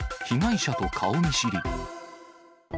被害者と顔見知り。